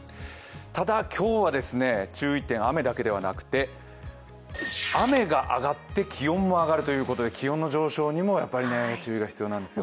ただ、今日は注意点、雨だけではなくて、雨があがって気温も上がるということで気温の上昇にも注意が必要なんです。